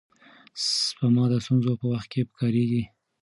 سپما د ستونزو په وخت کې پکارېږي.